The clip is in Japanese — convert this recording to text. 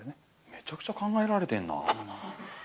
めちゃくちゃ考えられてるな。